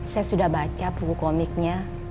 saya sudah baca buku komiknya